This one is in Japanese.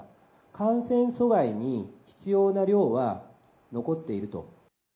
感染阻害に必要な量は残っていると。